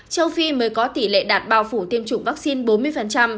châu phi mới có tỷ lệ đạt bào phủ tiêm chủng vắc xin bốn mươi